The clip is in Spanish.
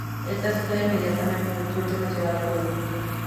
Está situada inmediatamente del sur de la ciudad de Colombo.